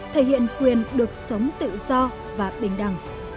thể hiện quyền được sống tự do và bác ái